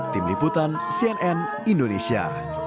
tim liputan cnn indonesia